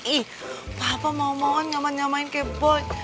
ih papa mau mauan nyaman nyamain kayak boy